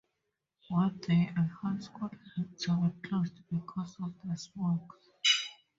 One day, a high school had to be closed because of the smog.